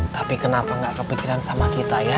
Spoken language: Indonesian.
tapi kenapa nggak kepikiran sama kita ya